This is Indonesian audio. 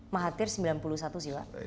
mahathir sembilan puluh satu sih pak